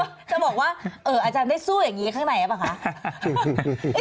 จะบอกว่าออ๋อฯได้สู้อย่างนี้ข้างในกันป่ะคะ